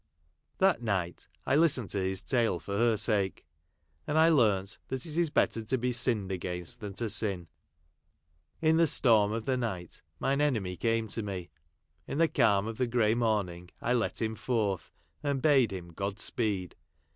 That night I listened to his tale for her sake ; and I learnt that it is better to be sinned against than to sin. In the storm of the night mine enemy came to me ; in the calm of the grey morning I let him forth, and bade him " God speed."